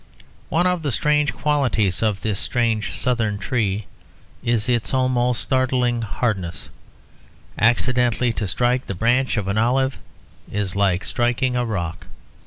One of the strange qualities of this strange Southern tree is its almost startling hardness; accidentally to strike the branch of an olive is like striking rock.